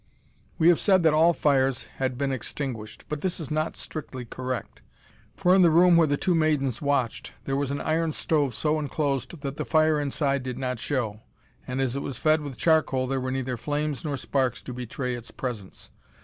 We have said that all fires had been extinguished, but this is not strictly correct, for in the room where the two maidens watched there was an iron stove so enclosed that the fire inside did not show, and as it was fed with charcoal there were neither flames nor sparks to betray its presence.